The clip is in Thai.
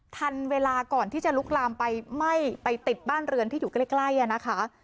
ทันเวลาก่อนที่จะลุกลามไปไหม้ไปติดบ้านเรือนที่อยู่ใกล้นะคะ